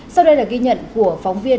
sau đây là ghi nhận của phóng viên